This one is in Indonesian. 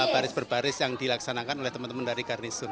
baris berbaris yang dilaksanakan oleh teman teman dari karnisun